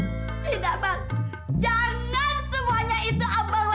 tidak bang jangan semuanya itu abang lupa